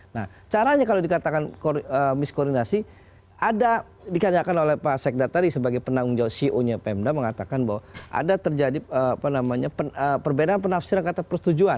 nah caranya kalau dikatakan miss koordinasi ada dikatakan oleh pak sekda tadi sebagai penanggung jauh ceo nya pmd mengatakan bahwa ada terjadi apa namanya perbedaan penafsiran kata persetujuan